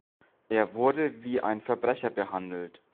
Er wurde wie ein Verbrecher behandelt.